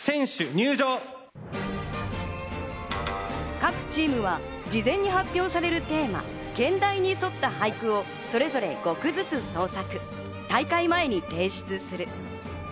各チームは事前に発表されるテーマ、兼題に沿った俳句をそれそれ５句ずつ創作。